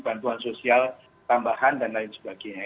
bantuan sosial tambahan dan lain sebagainya